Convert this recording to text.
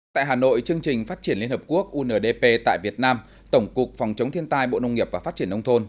tại hà nội chương trình phát triển liên hợp quốc undp tại việt nam tổng cục phòng chống thiên tai bộ nông nghiệp và phát triển nông thôn